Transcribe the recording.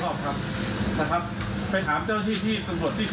น้องพระเจ้าจะพำเวชอบรวมนี้